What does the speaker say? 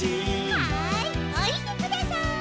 はいおりてください。